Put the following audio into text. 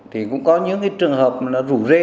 thì cũng có những trường hợp rủ rê